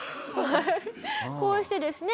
こうしてですね